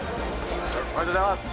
おめでとうございます。